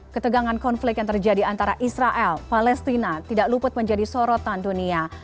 ketegangan konflik yang terjadi antara israel palestina tidak luput menjadi sorotan dunia